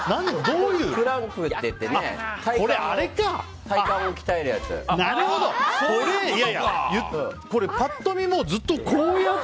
プランクっていって体幹を鍛えるやつ。